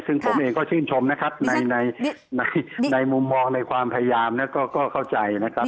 ซึ่งผมเองก็ชื่นชมนะครับในมุมมองในความพยายามก็เข้าใจนะครับ